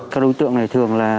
các đối tượng này thường là